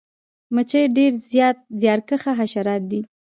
مچۍ ډیر زیارکښه حشرات دي